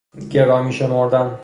گرامی شمردن